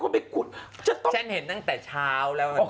ไม่ได้ซิ